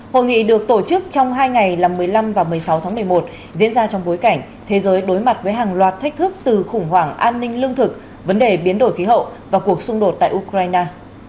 hội nghị được tổ chức trong hai ngày là một mươi năm và một mươi sáu tháng một mươi một diễn ra trong bối cảnh thế giới đối mặt với hàng loạt thách thức từ khủng hoảng an ninh lương thực vấn đề biến đổi khí hậu và cuộc xung đột tại ukraine